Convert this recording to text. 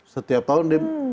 setiap tahun dia